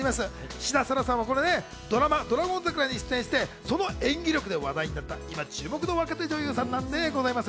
志田彩良さんはドラマ『ドラゴン桜』に出演して、その演技力で話題になった、今注目の若手女優さんなんでございます。